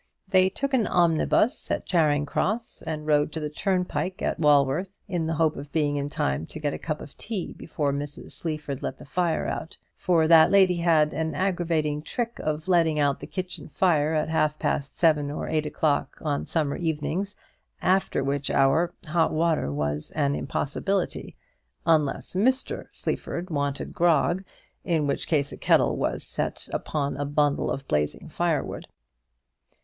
They took an omnibus at Charing Cross, and rode to the turnpike at Walworth, in the hope of being in time to get a cup of tea before Mrs. Sleaford let the fire out; for that lady had an aggravating trick of letting out the kitchen fire at half past seven or eight o'clock on summer evenings, after which hour hot water was an impossibility; unless Mr. Sleaford wanted grog, in which case a kettle was set upon a bundle of blazing firewood.